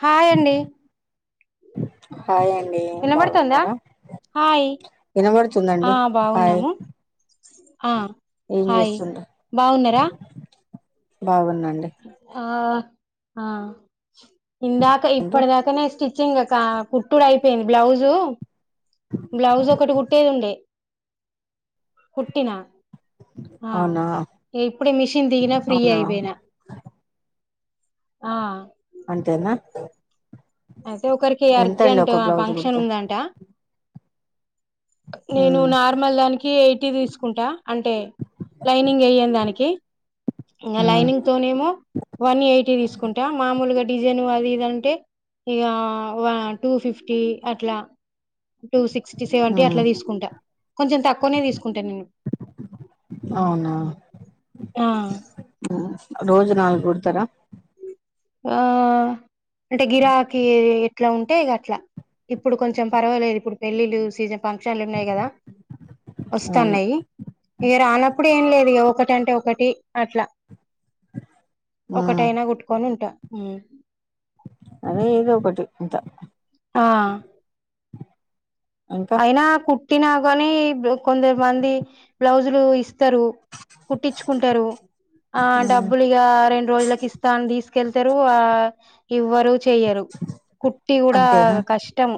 Hi అండి. Hi అండి, వినబడుతుందా బాగున్నారా. హాయ్ ఆ వినబడుతుందండి హాయ్. బాగున్నాము ఆ ఏం హాయ్ చేస్తుండ్రు బాగున్నారా. బాగున్నా అండి. ఆ ఆ. ఇందాక మీరు ఇప్పటిదాకానే స్టిచ్, చింగ్ ఒక కుట్టుడు అయిపోయింది. బ్లౌజు, బ్లౌజ్ ఒకటి కుట్టేది ఉండే. కుట్టిన. ఆ అవునా ఇగ్ ఇప్పుడే మిషన్ దిగినా, ఫ్రీ అవునా అయిపోయినా. ఆ అంతేనా. అయితే ఒకరికి ఎంతండి అర్జెంట్, ఒక ఆ బ్లౌజ్ ఫంక్షన్ కుడితే ఉందంట. నేను ఉమ్ నార్మల్ దానికి, ఎయిటీ తీసుకుంటా. అంటే, లైనింగ్ ఏయ్యనీదానికి. ఇంగా ఉమ్ లైనింగ్ తోనేమో, వన్ ఎయిటీ తీసుకుంటా, మామూల్ గా డిజైను అది, ఇదంటే ఇగా, వా టూ ఫిఫ్టీ అట్లా. టూ సిక్స్టీ, సెవెంటీ ఉమ్ అట్ల దిసుకుంటా. కొంచెం తక్కువనే తీసుకుంటా నేను. అవునా, ఆ రోజు నాలుగు కుడ్త్ తరా. యా. అంటే గిరాకిీ ఎట్లా ఉంటే ఇగ అట్లా. ఇప్పుడు కొంచెం పర్వాలేదు, ఇప్పుడు పెళ్ళిళ్ళు సీజన్. ఫంక్షలు ఉన్నాయి కదా అవునా ఓస్తాన్నాయి. ఇగా రానప్పుడు, టే ఏం లేదు ఇగ. ఒకటి అంటే ఒకటి అట్లా, ఉమ్ ఒకటైనా గుట్టుకొని ఉంట్ ట ఉమ్. అదే ఏదో ఒకటి ఇంత, ఆ. ఇంకా అయినా కుట్టినా గానీ, బు కొందమంది బ్లౌజులు ఇస్త్, త్తరు, కుట్టించుకుంటరు. ఆ ఉమ్ డబ్బులు ఇగ, రెండు రోజులకి ఇస్తా అని దిస్కెళ్తారు. ఆ ఇవ్వరు చెయ్యరు. కుట్టి గుడా అంతేనా కష్టమ్.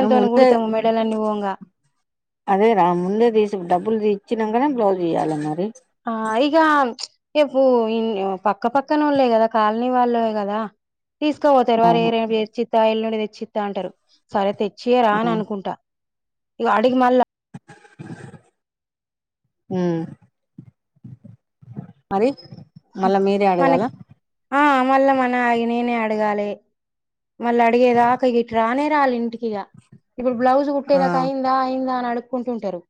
ఆ, గుడుతమ్, మెడలన్నీ పొంగా. అదే రా ముందే దిసుకు, డబ్బులు దిచ్చినంకనే బ్లౌజ్ ఇయ్యాల మరి. ఆ ఇగా, ఏపు ఇన్ ఆ పక్క పక్కన ఓళ్లే గదా, కాలనీ వాళ్ళే గదా. తీస్కవోతరు అరే అవును రేపు తెచ్చిత్తా, ఎల్లుండి తెచ్చిత్తా అంటారు. సరే తె చేయరా అని ఉమ్ అనుకుంటా. ఇగా అడిగి మల్ల [unintelligible] ఉమ్ మరి, మళ్ళ మీరే మనకి అడగాల? ఆ మళ్ళ మన ఇగ నేనే అడగాలే. మళ్ళ అడిగేదాక ఇగ ఇటు రానే రాల్ ఇంటికి. ఇగ. ఇప్పుడ్ బ్లౌజ్ ఆ కుట్టేదాక అయిందా, అయిందా అని అడుక్కుంటుంటరు.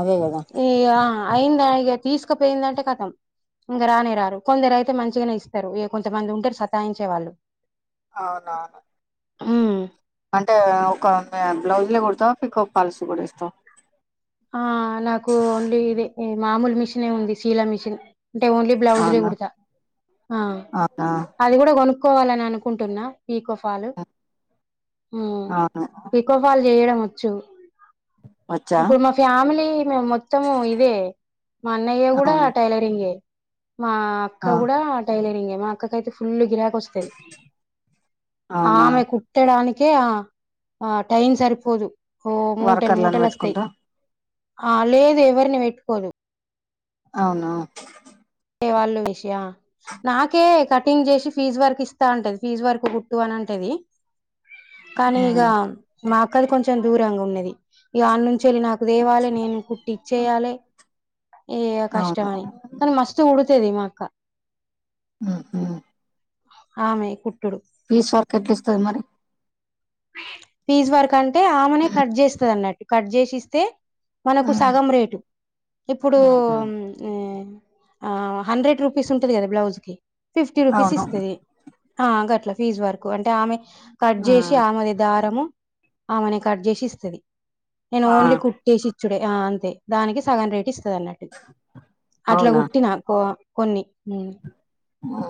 అదే కదా ఇగ అయిందా, ఇగా తీసుకుపోయిందంటే కతం. ఇంగ రానే రారు. కొందరు అయితే మంచిగనే ఇస్తారు. ఇగ కొంతమంది ఉంటరు, సతాయించే వాళ్ళు. అవునవును. ఉమ్మ్. అంటే ఒక ఆమె బ్లౌజ్లే కుడ్తవ, పీకో ఫాల్స్ గుడా ఇస్తవా? ఆ నాకు ఓన్లీ ఇది, ఈ మామూలు మిషినే ఉంది, శీల మిషిన్. అంటే ఓన్లీ బ్లౌజ్లే అవునా గుడ్తా, ఆ అవునా అది గుడా కొనుక్ కోవాలని అనుకుంటున్నా పీకో ఫాల్, హు మ్, అవును పీకో ఫాలు చేయడం వచ్చు వచ్చా ఇప్పుడు మా ఫ్యామిలీ మేము మొత్తము ఇదే, మా అన్నయ్య కూడా అవును టైలరింగే మా అక్క ఆ కూడా టైలరింగే, మా అక్కకైతే ఫుల్ గిరాక్ కోస్తయ్ అవునా ఆమె కుట్టడాని కే ఆ ఆ టైం సరిపోదు, ఓ మూటలు వర్కర్లను మూటలస్తయ్ పెట్టుకుంటా ఆ లేదు ఎవరిని వెట్టుకోదు అవునా టే వాళ్ళు ష్య, నాకే కటింగ్ చేసి ఫీజ్ వర్క్ ఇస్తా అంటది, ఫీజ్ వర్క్ కుట్టు అని అంటది కానీ ఇగ, ఉమ్ మా అక్కది కొంచెం దూరంగ ఉన్నది ఇగ ఆన్నుం చ్చేలి నాకు దేవాలె, నేను కుట్టి ఇచ్చేయాలె, ఈగ అవును కష్టమే కానీ మస్త్ కుడుతది మా అక్క హుమ్ ఆమె కు పీస్ వర్క్ ఎట్ల ఇస్తది మరి ఫీజ్ వర్క్ అంటే ఆమెనే కట్ చేస్తది అన్నట్టు కట్ చేసిస్తే మనకు ఉమ్ సగం రేటు ఇప్పుడు ఉహు ఆ ఆ హండ్రెడ్ రూపీస్ ఉంటది కదా బ్లౌజ్ కి ఫిఫ్టీ రూపీస్ అవును ఇస్తది హ గట్ల ఫీజ్ వరకు అంటే ఆమె కట్ చేసి ఉమ్ ఆమెదే దారము ఆమెనే కట్ చేసి ఇస్తది నేను ఆ ఓన్లీ కుట్టేసి ఇచ్చుడే ఆ అంతే దానికి సగం రేట్ త్తదన్నట్టు అట్లా అవునా కుట్టినా కో కొన్ని నిను ఆ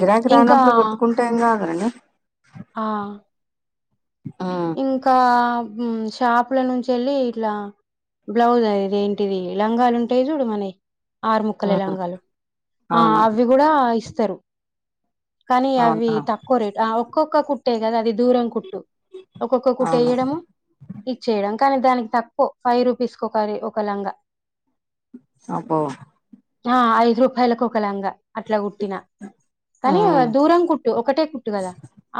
గిరాకి ఇంకా రానప్పుడు కొట్టుకుంటే ఏం కాద్ ఆ ఉమ్ ఇంకా మ్ షాపుల నుంచేళ్ళి ఇట్లా బ్లౌజ్ అ ఇది ఏంటిది లంగాలు ఉంటాయ్ చూడు మనై ఆరు ముక్కలయ్ ఉమ్ లంగాలు ఆ అవును అవి కూడా ఇస్తారు కానీ అవ్వి అవునా తక్కువ రేట్ ఆ ఒక్కొక్క కుట్టే కదా అది దూరం కుట్టు ఒక్కొక్కొ అవును కుటియ్యడంఇచ్చేయ్యడం కానీ దానికి తక్కువ ఫైవ్ రూపీస్కి ఒకకారి ఒక లంగా అబ్బో ఆ ఐదు రూపాయలకు ఒకలాంగా అట్లా కుట్టిన కానీ ఉమ్ దూరం కుట్టు ఒకటే కుట్టు కదా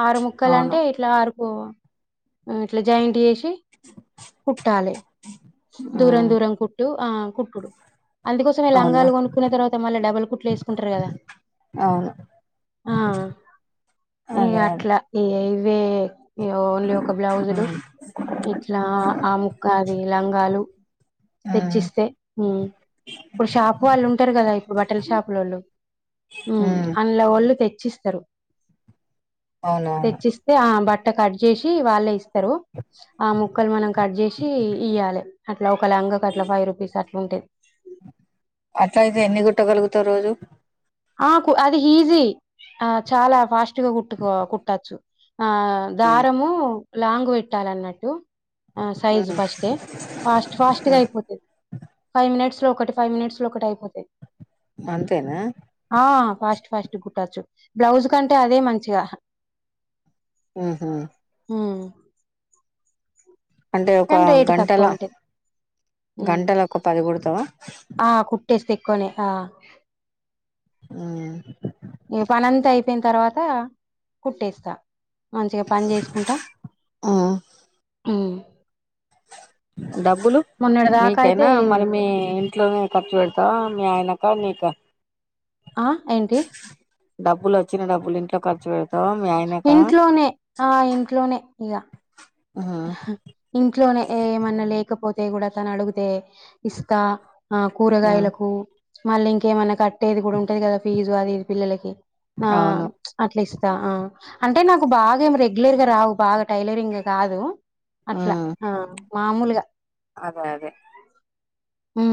ఆరు ముక్కలు అవును అంటే ఇట్లా ఆరు కు ఇట్లా జాయింట్ చేసి కుట్టాలే దూరం ఉమ్ దూరం కుట్టు ఆ కుట్టుడు అందుకోసమే అవునా లంగాలు కొనుక్కున్న తర్వాత మళ్ళీ డబ్బలు కుట్లు వేసుకుంటారు కదా అవును ఆ ఇగ అదే అదే అట్లా ఇగ ఇవ్వే ఇగ ఓన్లీ ఒక బ్లౌజులు ఉమ్ ఇట్లా ఆ ముక్క అది లంగాలు ఉమ్ తెచ్చిస్తే హు ఇప్పుడు షాప్ వాళ్ళు ఉంటారు కదా ఇప్పుడు బటల్ షాపులోళ్ళు హు ఉమ్ అందులోళ్ళు తెచ్ చ్చిస్తరు అవునవును తెచ్చిస్తే ఆ బట్ట చేసి వాళ్ళే ఇస్తారు ఆ ముక్కలు మనం కట్ చేసి ఇయాలే అట్లా ఒక లంగ కట్ ఫైవ్ రూపీస్ అట్ల ఉంటది అట్లా అయితే ఎన్ని గుట్టగలుగుతవ్ రోజు ఆ కు అది ఈజీ ఆ చాలా ఫాస్ట్ గా కుట్టుకో కుట్టచ్చు ఆ ఉమ్, దారము లాంగు పెట్టాలన్నట్టు ఆ సైజు ఫస్ట్ే ఫాస్ట్ ఫాస్ట్గా అయిపోతది ఫైవ్ మినిట్స్ లో ఒకటి ఫై్ినిట్స్ లో ఒకటైపోతై అంతేనా ఫాస్ట్ ఫాస్ట్గ కుట్టచ్చు బ్లౌజ్ కంటే అదే మంచిగా ఆహ హ అంటే ఒక కానీ రేటు గంటల తక్కువ ఉంటది గంటల ఒక పది కుడతావా ఆ కుట్టే తక్కనే ఆ ఆ ఇగ పనంత అయిపోయిన తర్వాత కుట్టేస్తా మంచిగా పని చేసుకుంటా ఉమ్ డబ్బులు మొన్నటి దాకా అయితే మీకేనా మరి మీ ఇంట్లోనే ఖర్చు పెడతవ మీ ఆయనక నీకా ఆ ఏంటి డబ్బులు వచ్చిన డబులు ఇంట్లో ఖర్చు పెడత ఇంట్లోనే ఆ ఇంట్లోనే ఇగ ఉమ్ ఇంట్లోనే ఏమన్నా లేకపోతే కూడా తను అడుగితే ఇస్తా ఆ ఉమ్ కూరగాయలకు మళ్ళీ ఇంకేమైనా కట్టేది కూడా ఉంటది కదా ఫీజు అదిది పిల్లలకి ఆ అవును అట్లీ అంటే నాకు బాగా ఏం రెగ్యులర్ గా రావు బాగా టైలరింగ్ కాదు అట్లా ఉమ్ ఆ మామూలుగా అదే అదే హూ